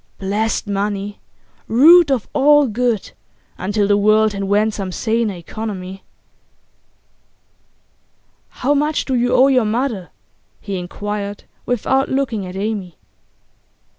Blessed money! root of all good, until the world invent some saner economy. 'How much do you owe your mother?' he inquired, without looking at Amy.